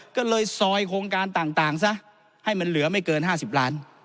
ก็เลยซอยโครงการต่างซะให้มันเหลือไม่เกิน๕๐ล้าน